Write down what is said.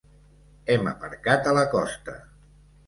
Hem aparcat a la costa.